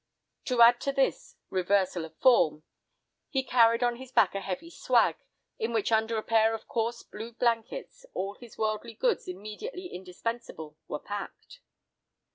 To add to his "reversal of form," he carried on his back a heavy "swag," in which under a pair of coarse blue blankets, all his worldly goods immediately indispensable were packed.